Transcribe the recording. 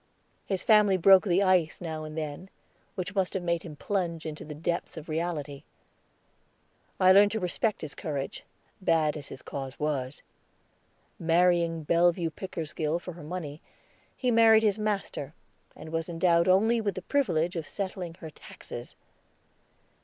His family broke the ice now and then, which must have made him plunge into the depths of reality. I learned to respect his courage, bad as his cause was. Marrying Bellevue Pickersgill for her money, he married his master, and was endowed only with the privilege of settling her taxes.